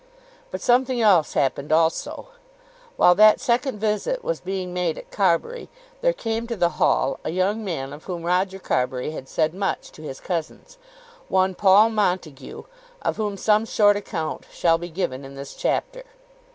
But something else happened also. While that second visit was being made at Carbury there came to the hall a young man of whom Roger Carbury had said much to his cousins, one Paul Montague, of whom some short account shall be given in this chapter.